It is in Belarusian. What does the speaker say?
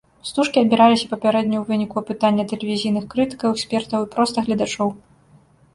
Стужкі адбіраліся папярэдне ў выніку апытання тэлевізійных крытыкаў, экспертаў і проста гледачоў.